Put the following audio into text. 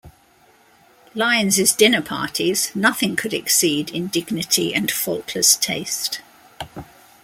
Lyons's dinner parties 'nothing could exceed' in 'dignity and faultless taste'.